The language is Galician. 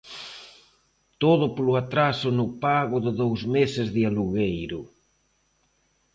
Todo polo atraso no pago de dous meses de alugueiro.